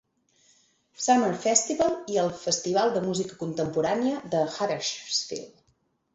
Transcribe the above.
Summer Festival i al Festival de Música Contemporània de Huddersfield.